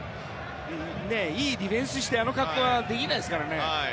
いいディフェンスしてあの格好はできないですからね。